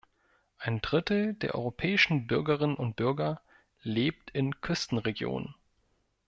Ein Drittel der europäischen Bürgerinnen und Bürger lebt in Küstenregionen.